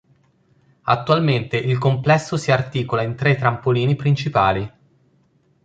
Attualmente il complesso si articola in tre trampolini principali.